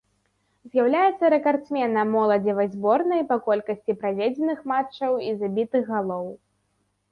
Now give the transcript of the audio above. З'яўляецца рэкардсменам моладзевай зборнай па колькасці праведзеных матчаў і забітых галоў.